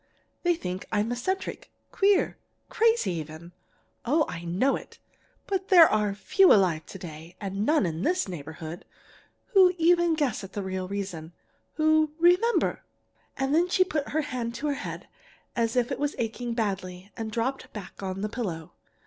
They think I'm eccentric queer crazy, even! Oh, I know it! But there are few alive to day and none in this neighborhood who even guess at the real reason, who remember!' And then she put her hand to her head as if it was aching badly, and dropped back on the pillow.